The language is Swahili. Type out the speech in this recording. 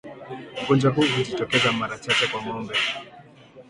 Ugonjwa huu hujitokeza mara chache kwa ngombe